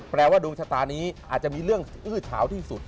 แปลว่าดวงชะตานี้อาจจะมีเรื่องอื้อเฉาที่สุด